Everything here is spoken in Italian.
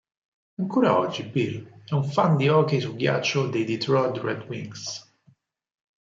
Ancora oggi Bill è un fan di hockey su ghiaccio dei Detroit Red Wings.